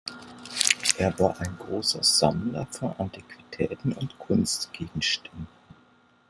Er war ein großer Sammler von Antiquitäten und Kunstgegenständen.